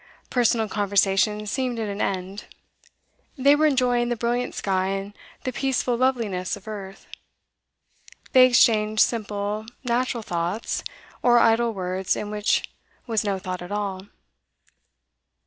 Personal conversation seemed at an end; they were enjoying the brilliant sky and the peaceful loveliness of earth. They exchanged simple, natural thoughts, or idle words in which was no thought at all.